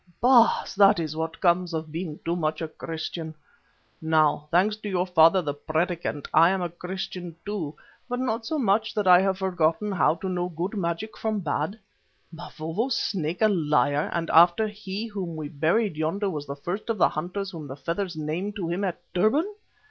Oh! Baas, that is what comes of being too much a Christian. Now, thanks to your father the Predikant, I am a Christian too, but not so much that I have forgotten how to know good magic from bad. Mavovo's Snake a liar, and after he whom we buried yonder was the first of the hunters whom the feathers named to him at Durban!"